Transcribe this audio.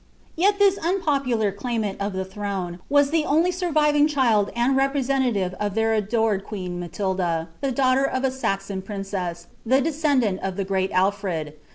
' Yet this unpopular claimant of the throne was the only survinof child and representative of iheir adored queen Matilda, the daughln d B Saxon princess, the descendant of the great Alfred.